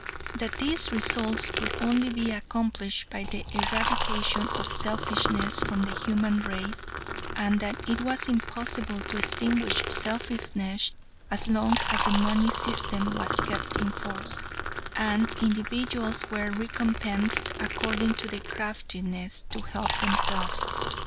That these results could only be accomplished by the eradication of selfishness from the human race, and that it was impossible to extinguish selfishness as long as the money system was kept in force, and individuals were recompensed according to their craftiness to help themselves.